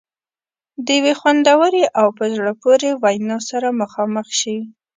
د یوې خوندورې او په زړه پورې وینا سره مخامخ شي.